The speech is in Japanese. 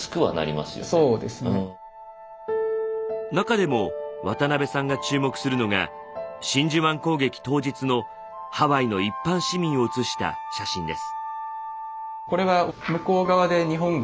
なかでも渡邉さんが注目するのが真珠湾攻撃当日のハワイの一般市民を写した写真です。